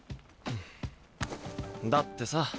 だってさ。